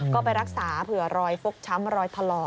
ก็ไปรักษาเผื่อรอยฟกช้ำรอยถลอก